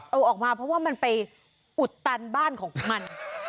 เอาออกมาเพราะว่ามันไปอุดตันบ้านของมัน